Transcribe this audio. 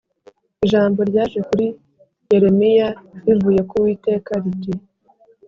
Ijambo ryaje kuri Yeremiya rivuye ku Uwiteka riti